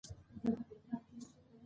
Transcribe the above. استاد بینوا د ټولني دردونه لیکلي دي.